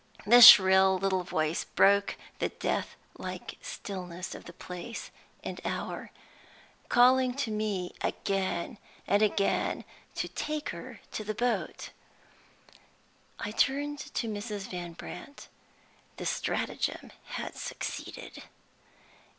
The shrill little voice broke the death like stillness of the place and hour, calling to me again and again to take her to the boat. I turned to Mrs. Van Brandt. The stratagem had succeeded.